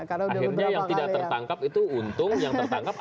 karena yang tidak tertangkap itu untung